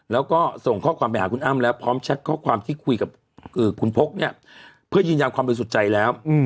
แล้วก็ส่งข้อความไปหาคุณอ้ำแล้วพร้อมแชทข้อความที่คุยกับคุณพกเนี่ยเพื่อยืนยันความบริสุทธิ์ใจแล้ว